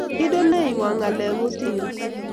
Kidenoywo ngaleek kutinyu